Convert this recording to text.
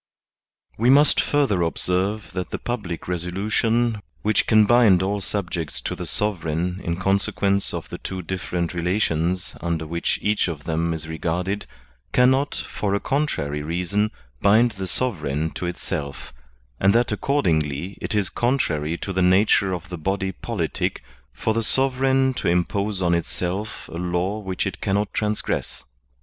We must further observe that the public resolution which can bind all subjects to the sovereign in conse quence of the two different relations under which each of them is regarded cannot, for a contrary reason, bind the sovereign to itself; and that accordingly it is con trary to the nature of the body politic for the sovereign to impose on itself a law which it cannot transgress.